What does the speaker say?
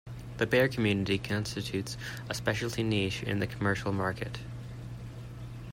The bear community constitutes a specialty niche in the commercial market.